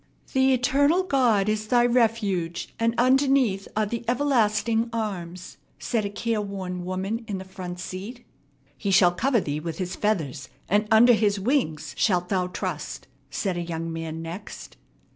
"'The eternal God is thy refuge, and underneath are the everlasting arms,'" said a careworn woman in the front seat. "'He shall cover thee with his feathers, and under his wings shalt thou trust,'" said a young man next.